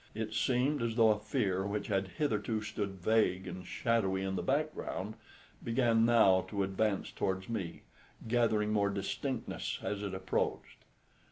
It seemed as though a fear which had hitherto stood vague and shadowy in the background, began now to advance towards me, gathering more distinctness as it approached.